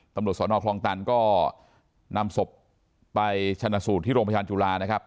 ตำรวจสนคลองตันก็นำศพไปชนะสูตรที่โรงพยาบาลจุฬานะครับ